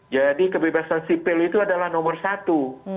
kebebasan sipil itu adalah nomor satu